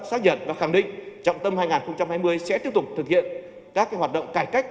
xác nhận và khẳng định trọng tâm hai nghìn hai mươi sẽ tiếp tục thực hiện các hoạt động cải cách